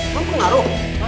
liat gue cabut ya